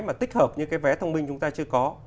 mà tích hợp những cái vé thông minh chúng ta chưa có